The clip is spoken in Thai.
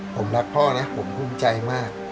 ผมรักพ่อนะผมภูมิใจมาก